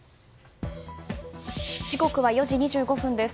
時刻は４時２５分です。